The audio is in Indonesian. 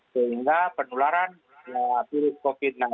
sehingga penularan virus covid sembilan belas